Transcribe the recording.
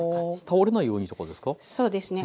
倒れないようにってことですか？